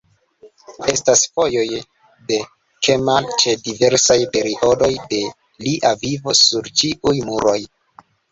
Estas fotoj de Kemal ĉe diversaj periodoj de lia vivo sur ĉiuj muroj.